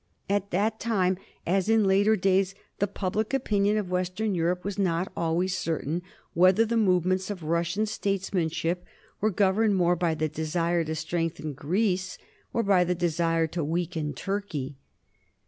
At that time, as in later days, the public opinion of Western Europe was not always certain whether the movements of Russian statesmanship were governed more by the desire to strengthen Greece or by the desire to weaken Turkey.